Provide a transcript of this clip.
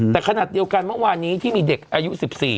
แต่ขณะเดียวกันเมื่อวานนี้ที่มีเด็กอายุ๑๔